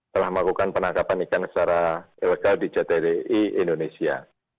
telah melakukan penangkapan ikan secara ilegal di jdi indonesia